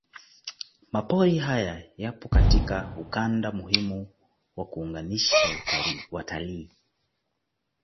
Mapori haya yapo katika ukanda muhimu wa kuunganisha watalii